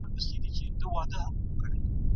که مورنۍ ژبه وي، نو د زده کړې نتیجه هم ښه وي.